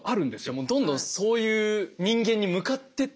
もうどんどんそういう人間に向かってってる。